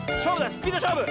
スピードしょうぶ！